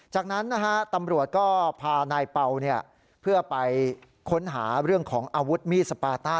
จากนั้นนะฮะตำรวจก็พานายเป่าเพื่อไปค้นหาเรื่องของอาวุธมีดสปาต้า